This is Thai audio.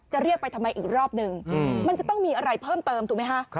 เรียกไปทำไมอีกรอบนึงมันจะต้องมีอะไรเพิ่มเติมถูกไหมคะ